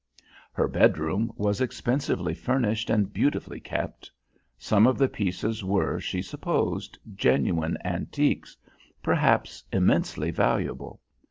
Her bedroom was expensively furnished and beautifully kept; some of the pieces were, she supposed, genuine antiques, perhaps immensely valuable.